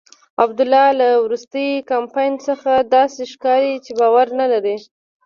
د عبدالله له وروستي کمپاین څخه داسې ښکاري چې باور نلري.